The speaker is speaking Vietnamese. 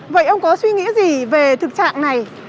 vậy ông có suy nghĩ gì về thực trạng này